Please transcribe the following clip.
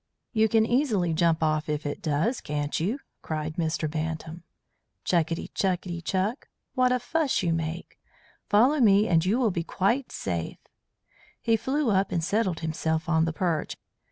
"You can easily jump off if it does, can't you?" cried Mr. Bantam. "Chukitty chukitty chuk! What a fuss you make! Follow me and you will be quite safe." He flew up and settled himself on the perch.